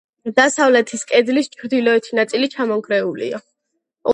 დასავლეთის კედლის ჩრდილოეთი ნაწილი ჩამონგრეულია.